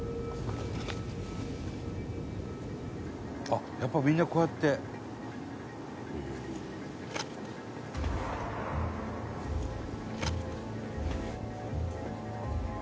「あっやっぱりみんなこうやって」「へえー」